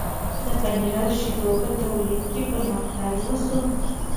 د پنیر او شیدو په تولید کې پرمختګ شو.